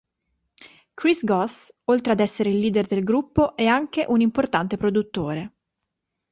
Chris Goss, oltre ad essere il leader del gruppo, è anche un importante produttore.